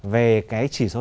về cái chỉ số